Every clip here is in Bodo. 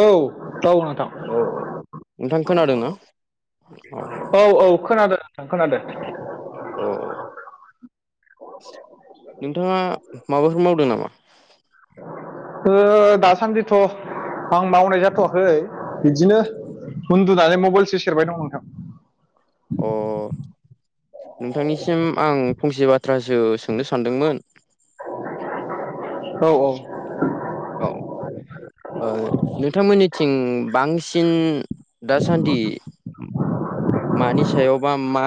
औ दाव नोंथां। औ औ नोंथां खोनादोंना औ औ खोनादों नोंथां खोनादों। औ नोंथाङा माबाफोर मावदों नामा? ओ दासान्दिथ' आं मावनाय जाथ'वाखै बिदिनो उन्दुनानै मबाइलसो सेरबाय दं नोंथां। अ नोंथांनिसिम आं फंसे बाथ्रासो सोंनो सानदोंमोन औ औ। औ ओ नोंथांमोननिथिं बांसिन दासान्दि मानि सायावबा मा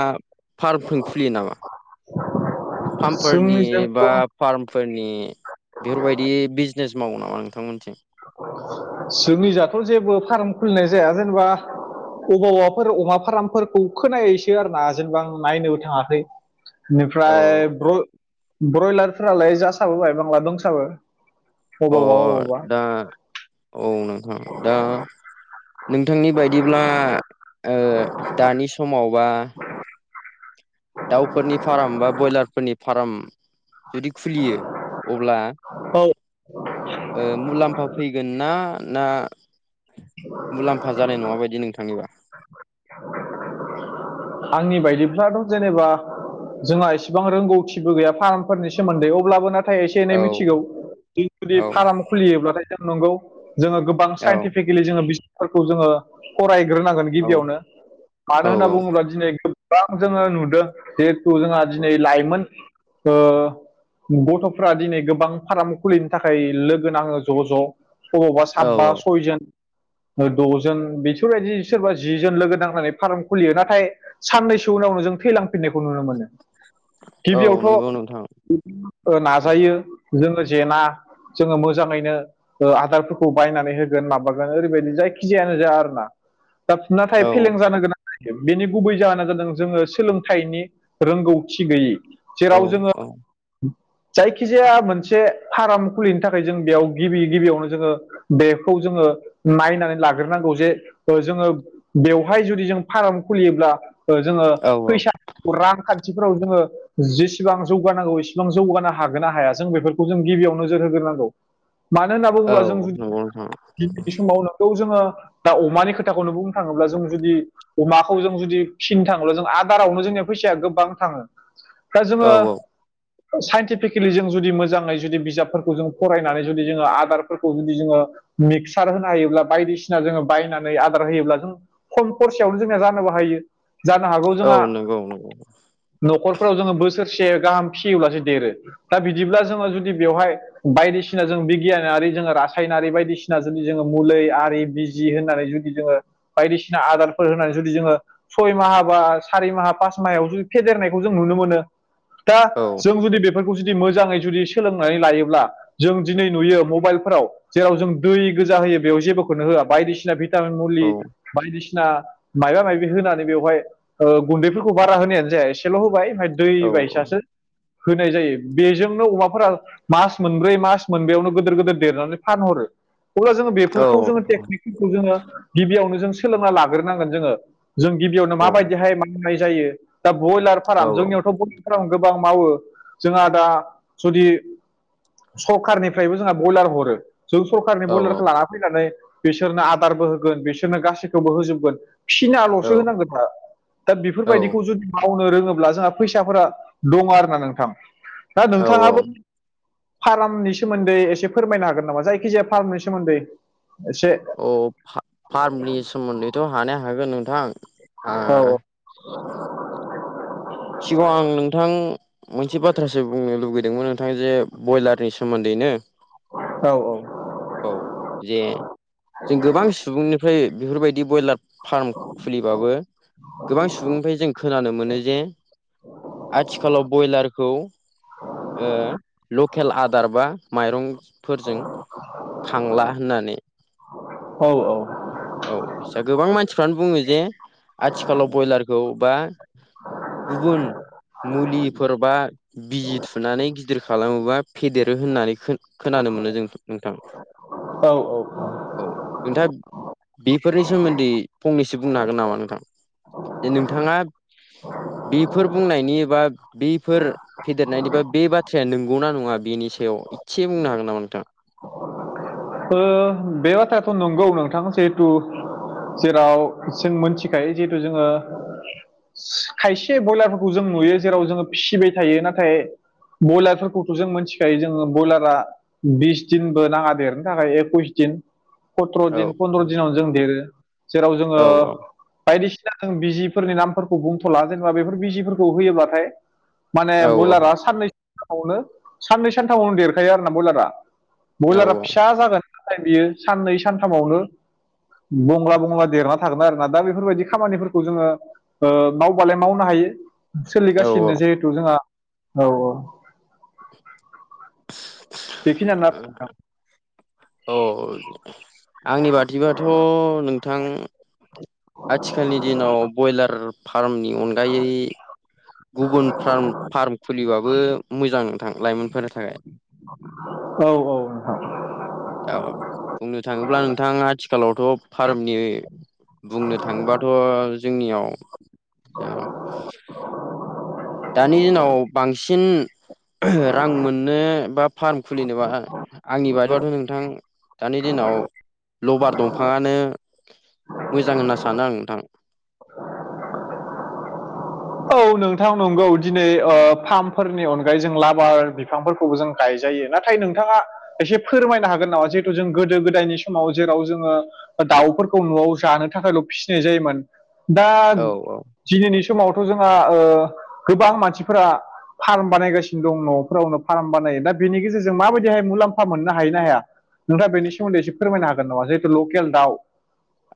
फार्मफोर खुलियो नामा? फार्मफोरारनि जोंनिजोंथ' बा फार्मफोरनि बेफोरबायदि बिजनेस मावो नामा नोंथांमोनथिं? जोंनिजाथ' जेबो फार्म खुलिनाय जाया जेनेबा अबावबाफोर अमा फार्मफोरखौ खोनायोसो आरोना जेनेबा आ नायनोबो थाङाखै औ बेनिफ्राय ब्र ब्रयलारफोरालाय जासाबोबाय बांला दंसाबो अ अबावबा अबावबा दा औ नोंथां दा नोंथांनि बायदिब्ला ओ दानि समावबा दाउफोरनि फार्म बा ब्रयलारफोरनि फार्म जुदि खुलियो अब्ला औ मुलाम्फा फैगोन ना ना मुलाम्फा जानाय नङा बायदि नोंथांनिबा? आंनि बायदिफ्लाथ' जेनेबा जोंहा एसेबां रोंगौथिबो गैया फार्मफोरनि सोमोन्दै अब्लाबो ना थाय एसे एनै औ मिथिगौ जुदि औ फार्म खुलियोब्लाथाय जों नंगौ जोङो गोब बां औ साइन्टिफिकेलि जोङो बिजाबफोरखौ जोङो फराय ग्रोनांगोन औ गिबियावनो मानो औ होनना औ बुङोब्ला दिनै गोबां जोङो नुदों जे खौ जोंहा दिनै लाइमोन ओ गथ'फ्रा दिनै गोबां फार्म खुलिनो थाखाय लोगो नाङो ज' ज' अबावबा औ साबबा औ सयजन द'जोन बिसोरबायदि सोरबा जिजोन लोगो नांनानै फार्म खुलियो नाथाय साननैसो उनावनो जों थैलांफिननायखौ नुनो मोनो औ गिबियावथ' नंगौ नोंथां ओ औ नाजायो जोङो जेना जोङो मोजाङैनो आदारफोरखौ बायनानै होगोन माबागोन ओरैबायदि जायखिजायानो जाया आरो ना दाब नाथाय औ फेलें जानो गोनां जायो बेनि गुबै जाहोना जादों जोङो सोलोंथाइनि रोंगौथि गैयि औ जेराव जोङो जायखिजाया मोनसे फार्म खुलिनो थाखाय जों बेयाव गिबि गिबियावनो जोङो बेखौ जोङो नायनानै लाग्रोनांगौ जे जोङो बेवहाय जुदि जों फार्म खुलियोब्ला जोङो औ फैसा रांखान्थिफोराव जोङो जेसेबां जौगानांगौ एसेबां जौगानो हागोन ना हाया जों बेफोरखौ जों गिबियाव नोजोर होग्रोनांगौ मानो होनना बुङोब्ला औ जों नंगौ नोंथां जुदि [unintelligible] समावनो खौ जोङो दा अमानि खोथाखौनो बुंनो थाङोब्ला जों जुदि अमा खौ जों जुदि फिनो थाङोब्ला जों आदारावनो जोंनिया फैसाया गोबां थाङो दा औ जोंङो औ साइन्टिफिकेलि जों जुदि मोजाङै जुदि बिजाबफोरखौ जों फरायनानै जुदि जोङो आदारफोरखौ जुदि जोङो मिक्सार होनो हायोब्ला बायदिसिना जोङो बायनानै आदार होयोब्ला जों खम खरसेयावनो जोंना जा नोबो हायो जानो हागौ औ जोंहा नंगौ नंगौ न'खरफोराव जोङो बोसोरसे गाहाम फियोब्लासो देरो दा बिदिब्ला जोङो जुदि बेवहाय बायदिसिना जों बिगियानारि जोङो रासायनारि बायदिसिना जुदि जोङो मुलि आरि बि जि होननानै जुदि जोङो बायदिसिना आदारफोर होननानै जुदि जोङो सय माहा बा सारि माहा पास माहायाव जुदि फेदेरनायखौ जों नुनो मोनो दा औ जों जुदि बेफोरखौ जुदि मोजाङै जुदि सोलोंनानै लायोब्ला जों दिनै नुयो मबाइलफोराव जेराव जों दै गोजा होयो बेयाव जेबोखौनो होआ बायदिसिना बि [unintelligible] मुलि औ बायदिसिना मायबा माबि होनानै बेवहाय गुन्दैफोरखौ बारा होनायानो जाया एसेल' होबाय ओमफ्राय दै औ बायसासो होनाय जायो बेजोंनो अमाफोरा मास मोनब्रै मास मोनबायावनो गिदिर गिदिर देरनानै फानहरो अब्ला जोङो औ बेफोरखौ जोङो टेकनिकफोरखौ जोङो गिबियावनो जों सोलोंना लाग्रोनांगोन जोङो जों गिबियावनो औ माबायदिहाय मावनाय जायो दा बयलार फार्म जोंनियावथ' बय फोराव गोबां मावो जोंहा दा जुदि सरखारनिफ्रायबो जोंना बयलार हरो जों सरखारनि बलेर'खौ लाना फैनानै बिसोरनो आदारबो होगोन बिसोरनो गासैखौबो होजोबगोन। फिनाल'सो होनांगौ दा दा औ बेफोरबायदिखौ जुदि मावनो रोङोब्ला जोंहा फैसाफोरा दं आरोना नोंथां दा औ नोंथाङाबो फारामनि सोमोन्दै एसे फोरमायनो हागोन नामा जायखिजाया फार्मनि सोमोन्दै एसे। अ फा फार्मनि सोमोन्दैथ' हानाया हागोन नोंथां ओ औ सिगाङाव आं नोंथां मोनसे बाथ्रासो बुंनो लुुबैदोंमोन। थां जे बयलारनि सोमोन्दैनो। औ औ। औ जे जों गोबां सुबुंनिफ्राय बेफोरबायदि बयलार फार्म खुलिबाबो गोबां सुबुंनिफ्राय जों खोनानो मोनो जे अ आथिखालाव बयलारखौ ओ लकेल आदार बा माइरं फोरजों खांला होननानै। औ औ। ओ औसा गोबां मानसिफ्रानो बुङो जे आथिखालाव बयलारखौ बा गुबुन मुलिफोरबा बिजि थुनानै गिदिर खालामोबा फेदेरो होननानै खो खोनानो मोनो जों नोंथां। औ ओ औ नोंथांआ बेफोरनि सोमोन्दै फंनैसो बुंनो हागोन नामा नोंथां जे नोंथाङा बेफोर बुंनायनि बा बेफोर फेदेरनायनिबा बे बाथ्राया नंगौना नङा बेनि सायाव एसे बुंनो हागोन नामा नोंथां। ओ बे बाथ्रायाथ नंगौ नोंथां जिहेथु जेराव जों मोनथिखायो जिहेथु जोङो खायसे बयलारफोरखौ जों नुयो जेराव जोङो फिसिबाय थायो नाथाय बयलारफोरखौथ' जों मिथिखायो जोङो बयलारा बिस दिनबो नाङा देरनो थाखाय एकुइस दिन सथ्र' औ दिन औ फन्द्र' दिनाव जों देरो जेराव जोङो औ बायदिसिना जों बिजिफोरनि नामफोरखौ बुंथ'ला जेनेबा बेफोर बिजिफोरखौ होयोबाथाय माने औ बयलारा साननै सानथामनो साननै सानथामावनो देरखायो आरोना बयलारा। बयलारा औ फिसा जागोन नथाय बियो साननै सानथामावनो बंला बंला देरना थागोनना आरोना दा बेफोरबायदि खामानिफोरखौ जोङो ओ मावबालाय मावनो हायो औ सोलिगासिनो जिहेथु जोंहा औ औ। बेखिनियानो आरो अ नोंथां औ ओ आंनि बाथिबाथ' नोंथां आथिखालनि दिनाव बयलार फार्मनि अनगायै गुबुन फार्म फार्म खुलिबाबो मोजां नोंथां लाइमोनफोरनि थाखाय। औ औ नोंथां। ओ बुंनो थाङोब्ला नोंथां आथिखालावथ' फार्मनि बुंनो थाङोबाथ' जोंनियाव दा दानि दिनाव बांसिन रां मोननो बा फार्म खुलिनोबा आंनि बादिबाथ' नों थां दानि दिनाव लबार दंफाङानो मोजां होनना सानो आं नोंथां औ नोंथां नंगौ दिनै ओ फार्मफोरनि अनगायै जों लाबार बिफांफोरखौबो जों गायजायो नाथाय नोंथाङा एसे फोरमायनो हागोन नामा जिहेथु जों गोदो गोदायनि समाव जेराव जोङो दाउफोरखौ न'आव जानो थाखायल' फिसिनाय जायोमोन। दा औ औ। दिनैनि समावथ' जोंहा ओ गोबां मानसिफोरा फार्म बानायगासिनो दं न'फोरावनो फार्म बानायो दा बेनि गेजेरजों माबायदिहाय मुलाम्फा मोननो हायोना हाया। नोंथाङ बेनि सोमोन्दै एसे फोरमाय हागोन नामा जिहेथु लकेल दउ।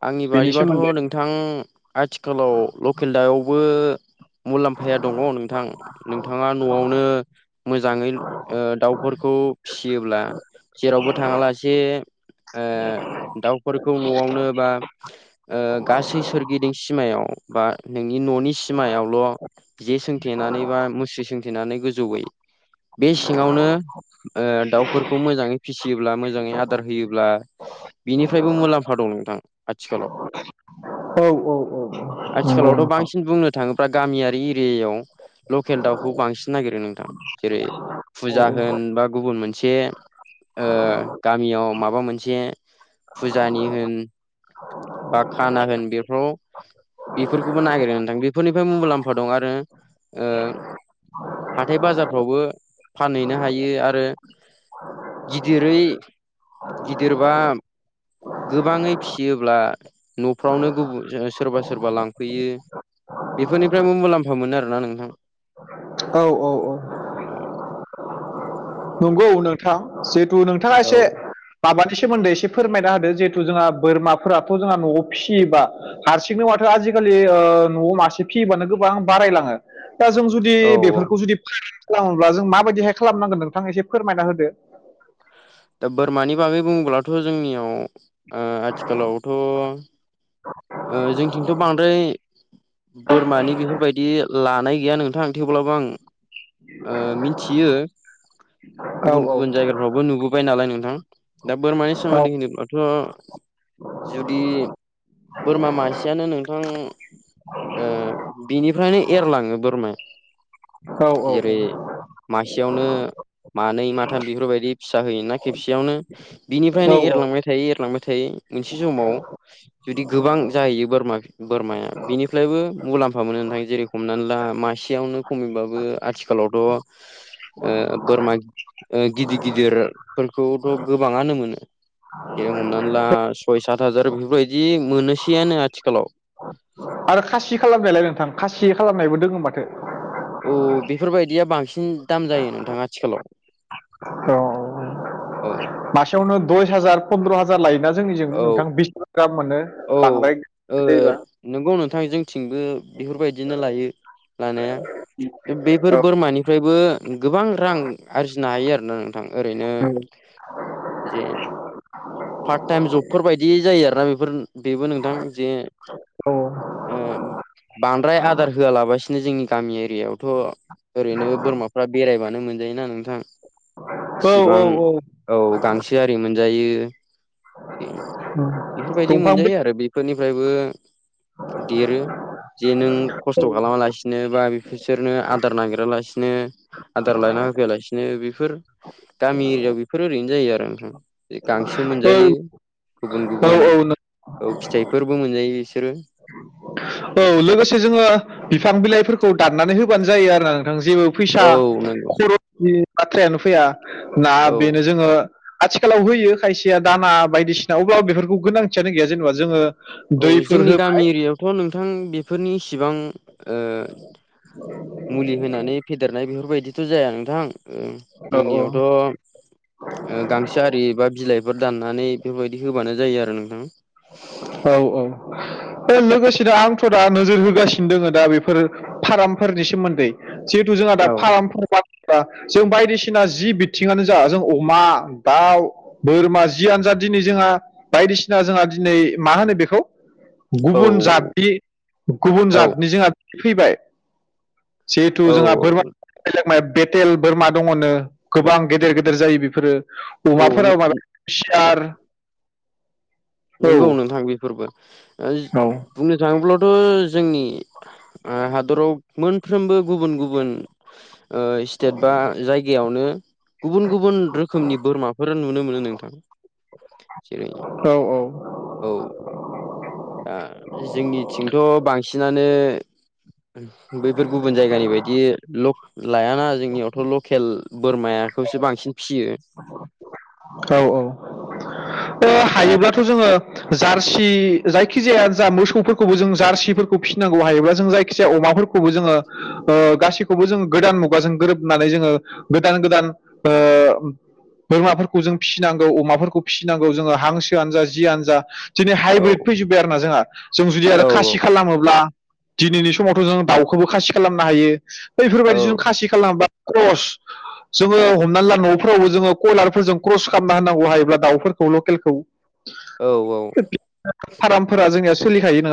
आंनि बादिबाथ' नोंथां आथिखालाव लकेल दावबो मुलाम्फाया दङ नोंथां नोंथाङा न'आवनो मोजाङै ओ दाउफोरखौ फिसियोब्ला जेरावबो थाङालासे दाउफोरखौ न'आवनो बा ओ गासै सोरगिदिं सिमायाव बा नोंनि न'नि सिमायावल' जे सोंथेनानै बा मुस्रि सोंथेनानै गोजौयै बे सिङावनो ओ दाउफोरखौ मोजाङै फिसियोब्ला मोजाङै आदार होयोब्ला बिनिफ्रायबो मुलाम्फा दं नोंथां आथिखालाव औ औ औ नंगौ आथिखालावथ' नोंथां बांसिन बुंनो थाङोब्ला गामियारि एरियायाव लकेल दाउखौ बांसिन नागिरो नोंथां जेरै औ फुजा होन बा गुबुन मोनसे ओ गामियाव माबा मोनसे फुजानि होन बा खाना होन बेफोराव बेफोरखौबो नागिरो होनदां बेफोरनिफ्रायबो मुलाम्फा दं आरो ओ हाथाय बाजारफ्रावबो फानहैनो हायो आरो गिदिरै गिदिरबा गोबाङै फिसियो ब्ला न'फ्रावनो गुब सोरबा सोरबा लांफैयो। बेफोरनिफ्रायबो मुलाम्फा मोनो आरोना नोंथां। औ औ औ औ नंगौ नों थां जिहेथु नोंथाङा औ एसे माबानि सोमोन्दै एसे फोरमायना होदो जिहेथु जोंहा बोरमाफोराथ' जोंहा न'आव फिसियोबा हारसिंनो माथो आजिखालि ओ न'आवनो मासे फियोबानो गोबां बारायलाङो दा जों जुदि औ औ बेफोरखौ जुदि खालामोब्ला जों माबायदिहाय खालामनांगोन नोंथां एसे फोरमायना होदो। दा बोरमानि बागै बुङोब्लाथ' जोंनियाव ओ आथिखालावथ' ओ जोंथिंथ' बांद्राय बोरमानि बेफोरबायदि लानाय गैया नोंथां। थेवब्लाबो आं ओ मिनथियो औ गुबुन औ गुबुन जायगाफ्रावबो नुबो बाय नालाय नोंथां दा बोरमानि औ सोमोन्दै होनोब्लाथ' जुदि बोरमा मासेयानो नोंथां ओ बिनिफ्रायनो एरलाङो औ औ बोरमाया जेरै मासेयावनो मानै माथाम बेफोरबायदि फिसा होयो ना खेबसेयावनो। बिनिफ्रायनो औ औ एरलांबाय थायो एरलांबाय थायो मोनसे समाव जुदि गोबां जाहैयो बोरमा बोरमाया बिनिफ्रायबो मुलाम्फा मोनो नोंथां जेरै हमनानै ला मासेयावनो खमैब्लाबो आथिखालावथ' ओ बोरमा गिदिर गिदिरफोरखौथ' गोबाङानो मोनो। जेरै हमनानै ला सय सात हाजार बेफोरबायदि मोनोसैयानो आथिखालाव। आरो खासि खालामनायालाय नोंथां खासि खालामनायबो दङ माथो। औ बेफोरबायदिया बांसिन दाम जायो नोंथाङा आथिखालाव। औ औ। मासेयावनो दस हाजार पन्द्र' हाजार लायोना जोंनिजों औ नोंथां बिस ग्राम मोनो। [inaudible] नोंगौ नोंथां जोंथिंबो बेफोरबायदिनो लायो लानाया। बेफोर बोरमानिफ्राय बो गोबां रां आरजिनो हायो आरोना नोंथां ओरैनो औ जे पार्ट टाइम जबफोर बायदि जायो आरोना बेफोर। बेबो नोंथां जे औ ओ बांद्राय आदार होआलाबासिनो जोंनि गामि एरियायावथ' ओरैनो बोरमाफ्रा बेरायबानो मोनजायोना नोंथां। औ इसिबां औ गांसो आरि मोनजायो बे बिदि दंफां मोनजायो बिलाइ आरो बेफोरनिफ्रायबो देरो। जे नों खस्थ' खालामा लासिनो बा बिसोरनो आदार नागिरालासिनो आदार लायना होफैयालासिनो बेफोर गामि एरिया बेफोर ओरैनो जायो आरो नोंथां गांसो मोनजायो औ गुबुन औ गुबुन। नों- औ फिथाइफोरबो मोनजायो बिसोरो। औ लोगोसे जोङो बिफां बिलाइफोरखौ दाननानै होबानो जायो आरो नोंथां जेबो फैसा औ नंगौ खरसनि बाथ्रायानो फैया ना औ बेनो जोङो आथिखालाव होयो खायसेया दाना बायदिसिना अब्लाबो बेफोरखौ गोनांथियानो गैया जेनेबा जोङो औ दैफोर जोंनि होबा गामि एरियायावथ' नोंथां बेफोरनि इसिबां ओ मुलि होनानै फेदेरनाय बेफोरबायदिथ' जाया नोंथां औ औ जोंनियावथ' ओ गांसो आरि एबा बिलाइफोर दाननानै बेफोरबायदि होबानो जायो आरो नोंथां। औ औ लोगोसेनो आंथ' दा नोजोर होगासिनो दङ दा बेफोर फार्मफोरनि सोमोन्दै जिहेथु जोंहा औ दा फार्मफोर बा जों बायदिसिना जि बिथिङानो जा जों अमा दाउ बोरमा जि आनजाद दिनै जोंहा बायदिसिना जोंहा दिनै मा होनो बेखौ औ गुबुन जातनि गुबुन औ जातनिजोंहा फैबाय जिहेथु औ जोंहा बोरमा बे म बेथेल बोरमा दङनो गोबां गेदेर गेदेर जायो बेफोरो औ अमाफोराव माबा हुसियार नंगौ नोंथां बेफोरबो औ बुंनो थाङोब्लाथ' जोंनि हादरावमोन फ्रोमबो गुबुन गुबुन स्टेट बा जायगायावनो गुबुन गुबुन रोखोमनि बोरमाफोर नुनो मोनो नोंथां जेरै औ। औ औ दा जोंनिथिंथ' बांसिनानो बैफोर गुबुन जायगानि बायदि लक लायाना जोंनियावथ' लकेल बोरमाखौसो बांसिन फियो औ औ हायोब्लाथ' जोङो जारसि जायखिजाया जा मोसौफोरखौबो जों जारसिफोरखौ फिसिनांगौ हायोबा जों जायखिजाया अमाफोरखौ खौबो जोङो गासैखौबो जोंङ गोदान मुगाजों गोरोबनानै जोङो गोदान गोदान बोरमाफोरखौ जों फिसिनांगौ अमाफोरखौ फिसिनांगौ जोङो हांसोआनो जा जियनो जा दिनै औ हाइब्रिद फैजोब्बाय आरोना जोंहा जों जुदि आरो औ खासि खालामोब्ला दिनैनि समावथ' जों दाउखौबो खासि खालामनो हायो औ बैफोरबायदि जों खासि खालाम जोङो हमनानै ला न'फ्रावबो जोङो कयलारफोरजों क्रस खालामना होनांगौ हायोब्ला दाउफोरखौ लकेलखौ औ औ। फार्मफोरा जोंनिया सोलिखायो ना